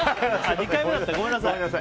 ２回目だった、ごめんなさい。